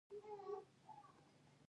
حق ته تسلیمیدل ولې پکار دي؟